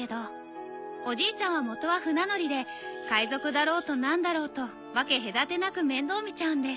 おじいちゃんは元は船乗りで海賊だろうと何だろうと分け隔てなく面倒見ちゃうんです。